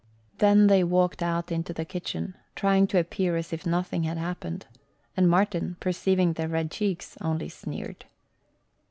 Then they walked out into the kitchen, trying to appear as if nothing had happened, and Martin, perceiving their red cheeks, only sneered.